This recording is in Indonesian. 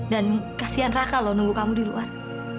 dan kasihan raka loh nunggu kamu di luar